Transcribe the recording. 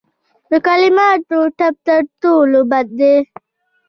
د کلماتو ټپ تر تورې بد دی.